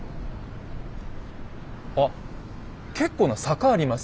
あ結構な坂あります？